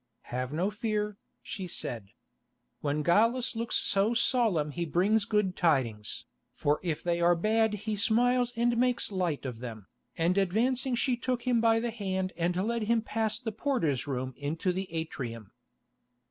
"Have no fear," she said. "When Gallus looks so solemn he brings good tidings, for if they are bad he smiles and makes light of them," and advancing she took him by the hand and led him past the porter's room into the atrium.